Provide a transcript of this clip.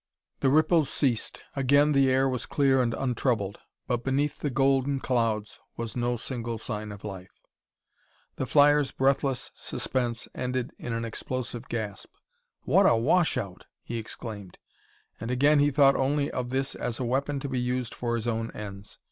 The ripples ceased, again the air was clear and untroubled, but beneath the golden clouds was no single sign of life. The flyer's breathless suspense ended in an explosive gasp. "What a washout!" he exclaimed, and again he thought only of this as a weapon to be used for his own ends.